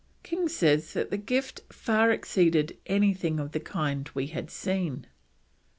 King says that the gift "far exceeded everything of the kind we had seen."